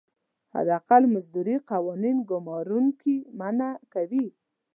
حداقل مزدوري قوانین ګمارونکي منعه کوي.